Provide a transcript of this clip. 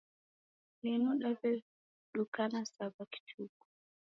Linu daw'edukana sa w'akichuku